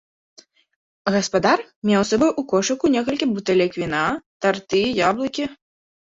Гаспадар меў з сабою ў кошыку некалькі бутэлек віна, тарты, яблыкі.